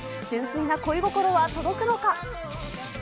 純粋な恋心は届くのか。